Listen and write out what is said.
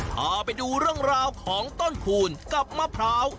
พาไปดูเรื่องราวของต้นพูนกับมะพร้าว